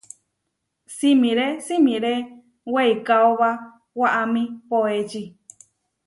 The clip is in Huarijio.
Simiré simiré weikaóba waʼámi poéči.